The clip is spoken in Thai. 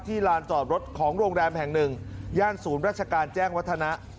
ลานจอดรถของโรงแรมแห่งหนึ่งย่านศูนย์ราชการแจ้งวัฒนะ